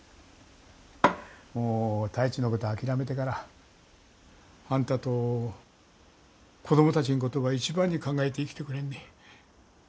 もう太一のことは諦めてからあんたと子どもたちんことば一番に考えて生きてくれんね。